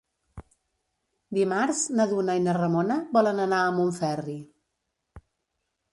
Dimarts na Duna i na Ramona volen anar a Montferri.